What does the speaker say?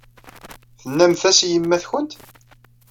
Tennamt-as i yemma-twent?